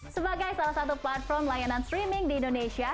sebagai salah satu platform layanan streaming di indonesia